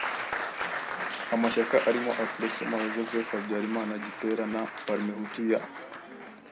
amashyaka arimo Aprosoma ya Joseph Habyarimana Gitera na Parmehutu ya